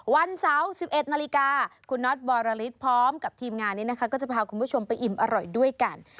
วันเสาร์๑๑นาฬิกาคุณน็อตบอรริสพร้อมกับทีมงานนี้นะคะก็จะพาคุณผู้ชมไปอิ่มอร่อยด้วยกัน